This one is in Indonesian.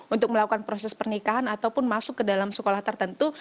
untuk melakukan proses pernikahan ataupun masuk ke dalam sekolah tertentu